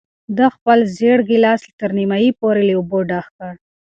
ده خپل زېړ ګیلاس تر نیمايي پورې له اوبو ډک کړ.